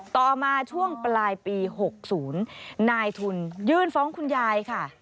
ต่อมาช่วงปลายปี๖๐นายทุนยื่นฟ้องคุณยายค่ะ